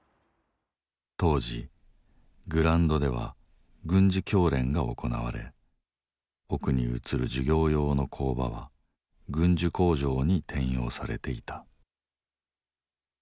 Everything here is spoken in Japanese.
当時グラウンドでは軍事教練が行われ奥に写る授業用の工場は軍需工場に転用されていた。